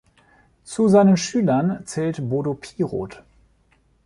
Zu seinen Schülern zählt Bodo Pieroth.